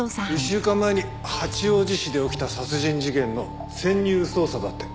１週間前に八王子市で起きた殺人事件の潜入捜査だって。